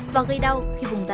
và gây đau khi vùng đất